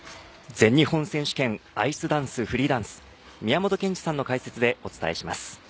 全日本選手権アイスダンス・フリーダンス宮本賢二さんの解説でお伝えします。